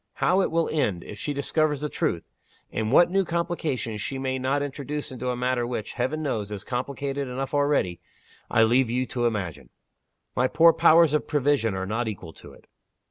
How it will end, if she discovers the truth and what new complications she may not introduce into a matter which, Heaven knows, is complicated enough already I leave you to imagine. My poor powers of prevision are not equal to it."